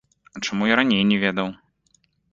А чаму я раней не ведаў?